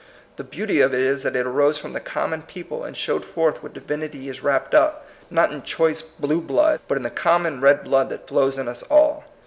The beauty of it is that it arose from the common peo ple, and showed forth what divinity is wrapped up, not in choice "blue blood," but in the common red blood that flows in us all.